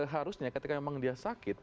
harusnya ketika memang dia sakit